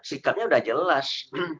sikapnya sudah jelas